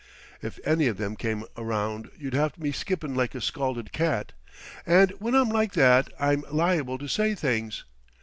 If any of them came around you'd have me skippin' like a scalded cat, and when I'm like that I'm liable to say things.